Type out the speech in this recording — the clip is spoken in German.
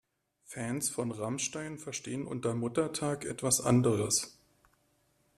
Fans von Rammstein verstehen unter Muttertag etwas anderes.